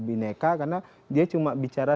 bineka karena dia cuma bicara